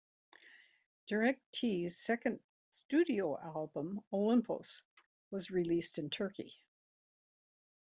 Direc-t's second studio album "Olympos" was released in Turkey.